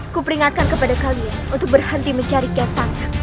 kuperingatkan kepada kalian untuk berhenti mencari gansang